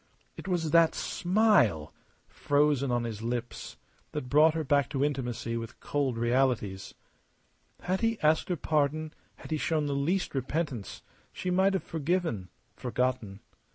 It was that smile frozen on his lips that brought her back to intimacy with cold realities. Had he asked her pardon, had he shown the least repentance, she might have forgiven, forgotten.